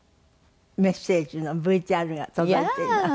メッセージのＶＴＲが届いています。